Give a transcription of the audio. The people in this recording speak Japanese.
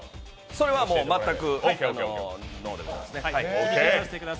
それは全くノーでございますね。